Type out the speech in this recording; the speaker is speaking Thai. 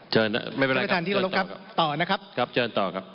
เชิญนะครับไม่เป็นไรครับเชิญต่อนะครับ